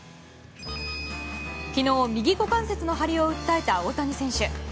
昨日、右股関節の張りを訴えた大谷選手。